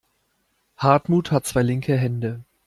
Hartmut hat zwei linke Hände.